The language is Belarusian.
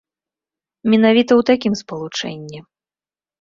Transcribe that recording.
Менавіта ў такім спалучэнні.